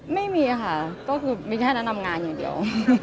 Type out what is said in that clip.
ไม่มีค่ะก็คือไม่ใช่แนะนำงานอย่างเดียว